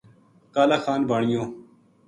کالا خان بانیو